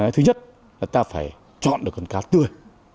thứ nhất là ta phải chọn được con cá tươi